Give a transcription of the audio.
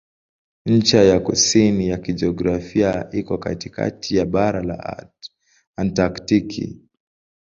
Ncha ya kusini ya kijiografia iko katikati ya bara la Antaktiki.